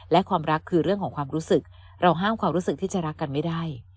และความรักคือเรื่องของความรู้สึกเราห้ามความรู้สึกที่จะรักกันไม่ได้